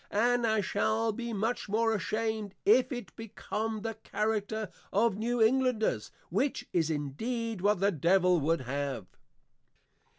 _ And I shall be much more ashamed, if it become the Character of New Englanders; which is indeed what the Devil would have.